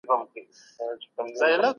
د کار په وخت کې شخصي کارونه مه کوئ.